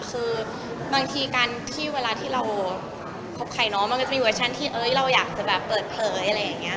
คือบางทีการที่เวลาที่เราคบใครเนาะมันก็จะมีเวอร์ชั่นที่เราอยากจะแบบเปิดเผยอะไรอย่างนี้